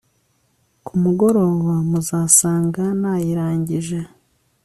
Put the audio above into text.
kumugoroba muzasanga nayirangije